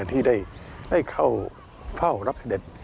ที่ได้เข้ารับเสด็จ